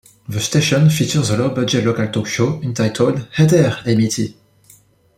The station features a low-budget local talk show entitled Hey There, Amity!